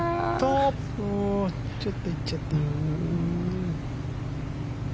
ちょっといっちゃった。